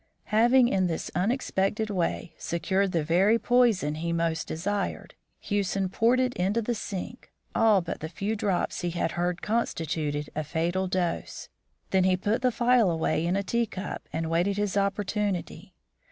Having in this unexpected way secured the very poison he most desired, Hewson poured into the sink all but the few drops he had heard constituted a fatal dose. Then he put the phial away in a tea cup and waited his opportunity.